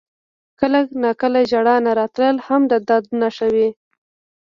• کله ناکله ژړا نه راتلل هم د درد نښه وي.